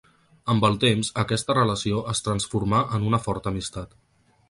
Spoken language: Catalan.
Amb el temps aquesta relació es transformà en una forta amistat.